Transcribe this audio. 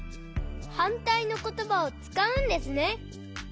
はんたいのことばをつかうんですね。